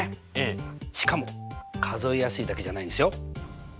しかも数えやすいだけじゃないんですよ。